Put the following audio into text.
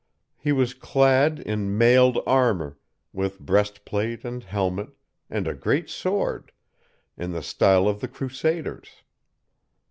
He was clad in mailed armor, with breastplate and helmet, and a great sword, in the style of the Crusaders.